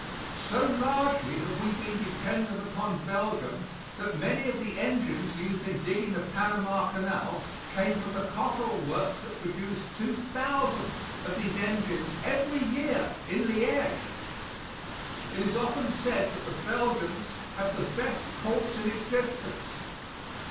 So largely have we been dependent upon Belgium that many of the engines used in digging the Panama Canal came from the Cockerill works that produce two thousands of these engines every year in Liege. It is often said that the Belgians have the best courts in existence.